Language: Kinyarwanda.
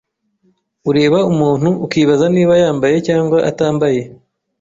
ureba umuntu ukibaza niba yambaye cyangwa atambaye,